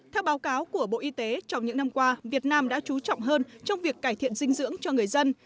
theo báo cáo của bộ y tế trong những năm qua việt nam đã trú trọng hơn trong việc cải thiện dinh dưỡng cho người dân